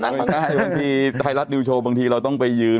ตรงนั้นว่าท้ายจะต้องไปยืน